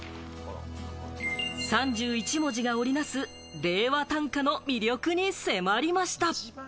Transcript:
３１文字が織りなす、令和短歌の魅力に迫りました。